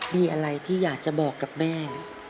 มีอะไรที่อยากจะบอกกับแม่